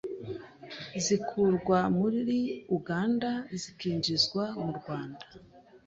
zikurwa amuri Uganda zikinjizwa mu Rwanda,